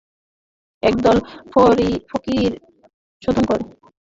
একদল ফকীহও এ অভিমত পোষণ করেন।